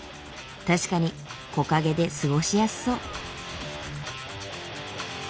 確かに木陰で過ごしやすそう。